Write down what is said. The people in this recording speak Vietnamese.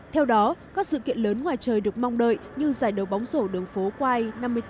theo đó các sự kiện lớn ngoài trời được mong đợi như giải đấu bóng rổ đường phố quai năm mươi bốn